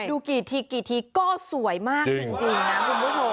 ดูกี่ทีกี่ทีก็สวยมากจริงนะคุณผู้ชม